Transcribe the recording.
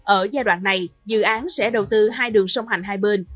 ở giai đoạn này dự án sẽ đầu tư hai đường sông hành hai bên